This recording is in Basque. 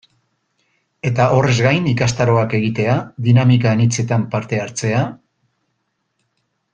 Eta horrez gain ikastaroak egitea, dinamika anitzetan parte hartzea...